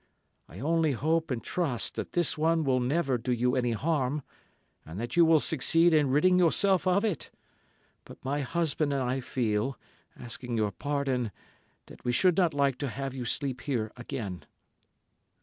I only hope and trust that this one will never do you any harm, and that you will succeed in ridding yourself of it, but my husband and I feel, asking your pardon, that we should not like to have you sleep here again."